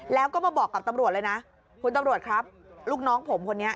แล้วก็มาบอกกับตำรวจเลยนะคุณตำรวจครับลูกน้องผมคนนี้